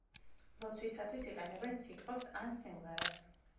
ლოცვისათვის იყენებენ სიტყვებს ან სიმღერას.